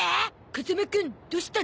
風間くんどうしたの？